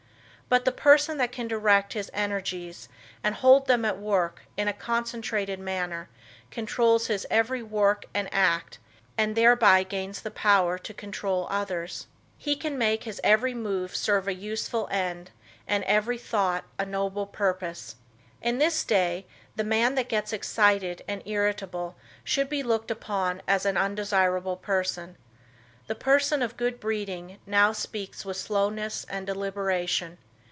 But the person that can direct his energies and hold them at work in a concentrated manner controls his every work and act, and thereby gains power to control others. He can make his every move serve a useful end and every thought a noble purpose. In this day the man that gets excited and irritable should be looked upon as an undesirable person. The person of good breeding now speaks with slowness and deliberation.